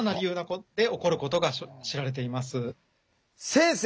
先生